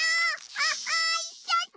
あっあいっちゃった！